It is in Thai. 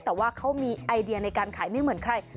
แต่ว่าเขามีไอเดียในการขายไม่เหมือนใคร